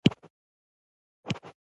هر وخت یې ذکر اورم